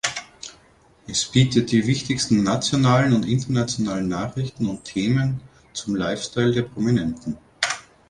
Es bietet die wichtigsten nationalen und internationalen Nachrichten und Themen zum Lifestyle der Prominenten.